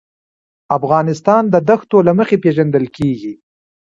افغانستان د دښتو له مخې پېژندل کېږي.